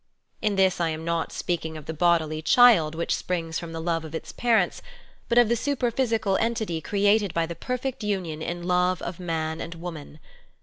In this I am not speaking of the bodily child which springs from the love of its parents, but of the super physical entity created by the perfect union in love of man and woman.